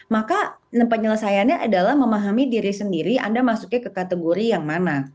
maka penyelesaiannya adalah memahami diri sendiri anda masuknya ke kategori yang mana